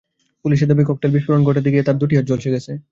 পুলিশের দাবি, ককটেল বিস্ফোরণ ঘটাতে গিয়ে তার দুটি হাত ঝলসে গেছে।